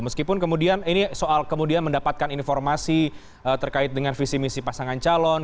meskipun kemudian ini soal kemudian mendapatkan informasi terkait dengan visi misi pasangan calon